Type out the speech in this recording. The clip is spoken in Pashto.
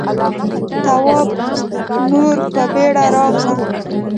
تواب مور په بيړه راغله.